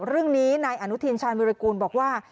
เรื่องนี้นายอนุทินชาญวิรากูลบอกว่า